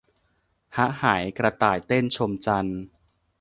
หะหายกระต่ายเต้น ชมจันทร์